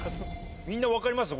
みんな分かります？